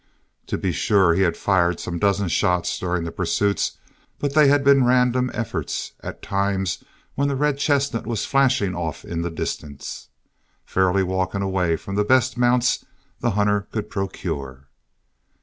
To be sure he had fired some dozen shots during the pursuits but they had been random efforts at times when the red chestnut was flashing off in the distance, fairly walking away from the best mounts the hunter could procure.